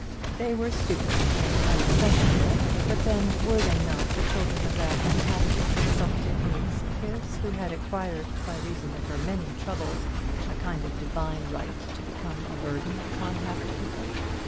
They were stupid and unimpressionable; but, then, were they not the children of that unhappy consumptive niece of his, who had acquired, by reason of her many troubles, a kind of divine right to become a burden upon happy people?